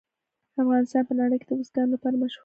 افغانستان په نړۍ کې د بزګانو لپاره مشهور دی.